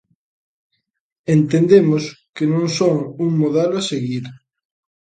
Entendemos que non son un modelo a seguir.